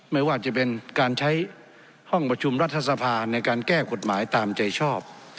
ไม่ว่าจะเป็นการใช้ห้องประชุมรัฐสภาในการแก้กฎหมายตามใจชอบ